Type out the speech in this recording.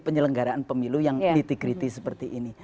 penyelenggaraan pemilu yang niti niti seperti ini